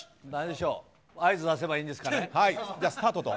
合図出せばいいんですかね？